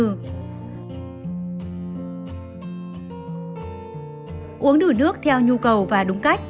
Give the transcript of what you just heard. uống đủ nước theo nhu cầu và đúng cách